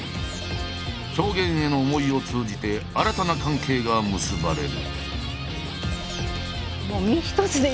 表現への思いを通じて新たな関係が結ばれる。